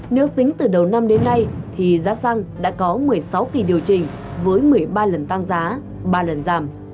nếu tính từ đầu năm đến nay thì giá xăng đã có một mươi sáu kỳ điều chỉnh với một mươi ba lần tăng giá ba lần giảm